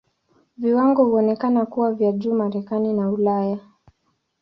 Viwango huonekana kuwa vya juu Marekani na Ulaya.